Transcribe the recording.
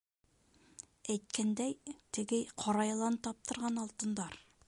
— Әйткәндәй, теге ҡара йылан таптырған алтындар...